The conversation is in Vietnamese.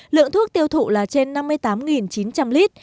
lượng thuốc tiêu thụ là trên năm mươi tám chín trăm linh lít